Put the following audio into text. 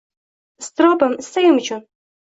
Iztirobim-istagim uchun